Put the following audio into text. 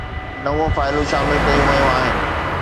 نو فائلون شامل ڪيون ويون آهن